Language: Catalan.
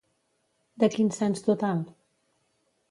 De quin cens total?